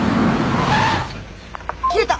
切れた！